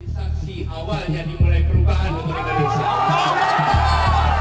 saksi awalnya dimulai perubahan untuk indonesia